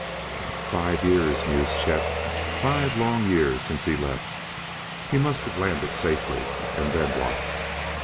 "Five years!" mused Chet. "Five long years since he left! He must have landed safely and then what?